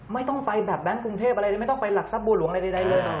ไม่ต้องไปแบบแบงค์กรุงเทพอะไรเลยไม่ต้องไปหลักทรัพย์บัวหลวงอะไรใดเลย